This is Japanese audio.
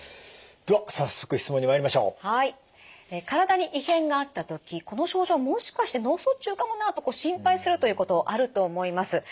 体に異変があった時この症状もしかして脳卒中かもなとこう心配するということあると思います。